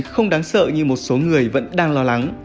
không đáng sợ như một số người vẫn đang lo lắng